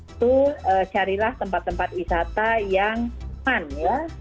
itu carilah tempat tempat wisata yang aman ya